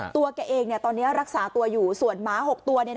ตัวแกเองตอนนี้รักษาตัวอยู่ส่วนหมา๖ตัว